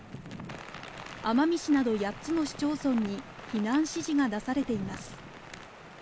奄美市など８つの市町村に避難指示が出されています。